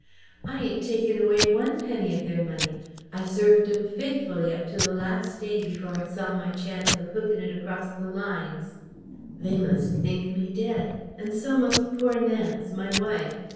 I ain't taken away one penny of their money I served 'em faithfully up to the last day before I saw my chance of hooking it across the lines They must think me dead and so must poor Nance, my wife.